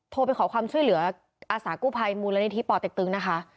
ไปขอความช่วยเหลืออาสากู้ภัยมูลนิธิป่อเต็กตึงนะคะ